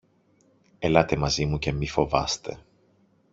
Ελάτε μαζί μου και μη φοβάστε!